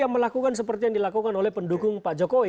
melakukan seperti yang dilakukan oleh pendukung pak jokowi